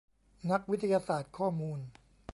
นักวิทยาศาสตร์ข้อมูล